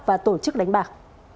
và tổ chức đánh bạc